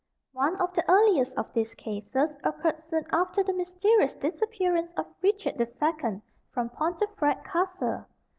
One of the earliest of these cases occurred soon after the mysterious disappearance of Richard the Second from Pontefract Castle.